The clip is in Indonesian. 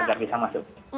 agar bisa masuk